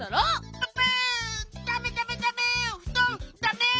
ププ！